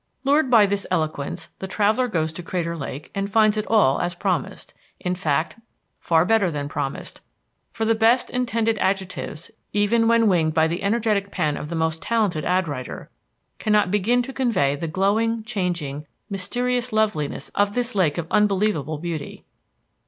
Lured by this eloquence the traveller goes to Crater Lake and finds it all as promised in fact, far better than promised, for the best intended adjectives, even when winged by the energetic pen of the most talented ad writer, cannot begin to convey the glowing, changing, mysterious loveliness of this lake of unbelievable beauty.